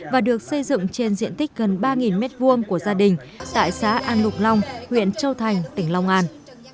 và được xây dựng trên diện tích gần ba m hai của gia đình tại xã an lục long huyện châu thành tỉnh long an